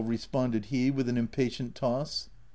responded he, with an impatient toss.